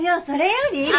それより。